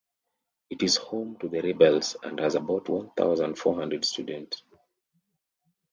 It is home to the Rebels and has about one thousand four hundred students.